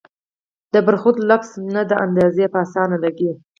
د برخوردار لفظ نه دا اندازه پۀ اسانه لګي